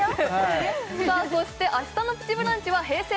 そして明日の「プチブランチ」はＨｅｙ！